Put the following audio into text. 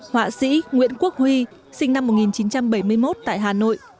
họa sĩ nguyễn quốc huy sinh năm một nghìn chín trăm bảy mươi một tại hà nội